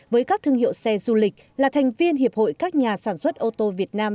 với các thương hiệu xe du lịch là thành viên hiệp hội các nhà sản xuất ô tô việt nam